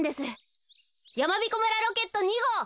やまびこ村ロケット２ごう。